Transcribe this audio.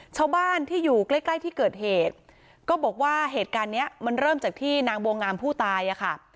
ชาวบ้านที่อยู่ใกล้ใกล้ที่เกิดเหตุก็บอกว่าเหตุการณ์เนี้ยมันเริ่มจากที่นางบัวงามผู้ตายอ่ะค่ะ